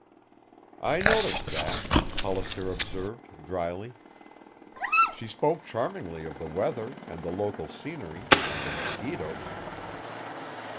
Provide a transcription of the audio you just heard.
"I noticed that," Hollister observed dryly. "She spoke charmingly of the weather and the local scenery and the mosquitoes."